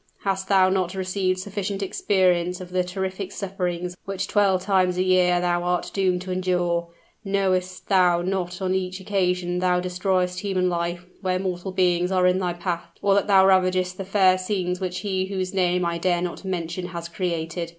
"Hast thou not received sufficient experience of the terrific sufferings which twelve times a year thou art doomed to endure? Knowest thou not on each occasion thou destroyest human life, where mortal beings are in thy path or that thou ravagest the fair scenes which He whose name I dare not mention has created?